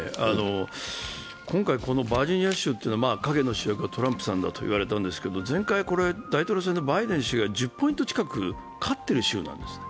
今回、バージニア州というのは影の主役はトランプさんだと言われたんですが前回大統領選でバイデン氏が１０ポイント近く勝っている州なんですね。